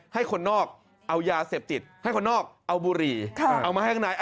ให้คนนอกเอายาเสพติดให้คนนอกเอาบุหรี่เอามาให้ข้างใน